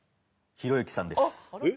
ひろゆきさんです。